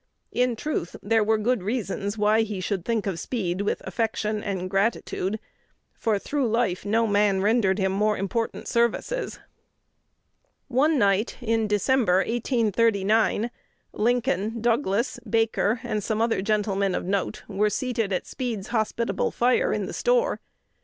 In truth, there were good reasons why he should think of Speed with affection and gratitude, for through life no man rendered him more important services. One night in December, 1839, Lincoln, Douglas, Baker, and some other gentlemen of note, were seated at Speed's hospitable fire in the store.